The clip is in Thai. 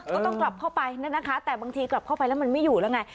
ก็ต้องกลับเข้าไปนั่นนะคะแต่บางทีกลับเข้าไปแล้วมันไม่อยู่แล้วไง